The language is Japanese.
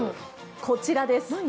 こちらです。